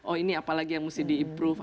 oh ini apa lagi yang mesti di improve